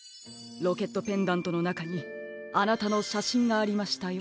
ロケットペンダントのなかにあなたのしゃしんがありましたよ。